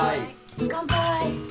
乾杯。